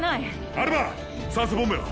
アルバ酸素ボンベは？